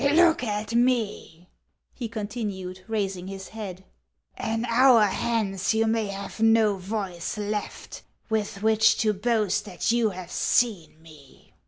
" Look at me," he continued, raising his head ;" an hour hence you may have no voice left with which to boast that you have seen me."